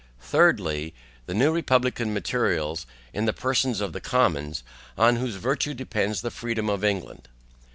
THIRDLY. The new republican materials, in the persons of the commons, on whose virtue depends the freedom of England.